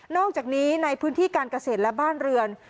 อกจากนี้ในพื้นที่การเกษตรและบ้านเรือน